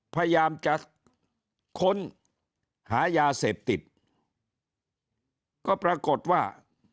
พยายามจะค้นหายาเสพติดก็ปรากฏว่า